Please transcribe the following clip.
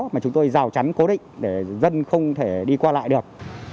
mà chúng tôi rào chắn cố định để dân không thể đi qua lại được